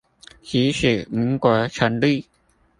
即使民國成立